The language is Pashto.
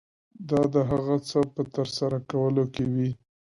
دا د هغه څه په ترسره کولو کې وي.